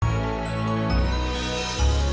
ya beli kerupuk aja